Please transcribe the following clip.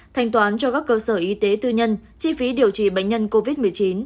thanh toán cho các cơ sở y tế tư nhân chi phí điều trị bệnh nhân covid một mươi chín